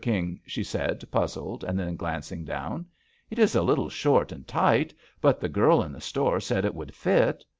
King?" she said, puzzled, and then glancing down. "It is a little short and tight^ but the girl in the store said it would fit.